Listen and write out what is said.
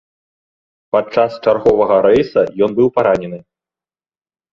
Падчас чарговага рэйса ён быў паранены.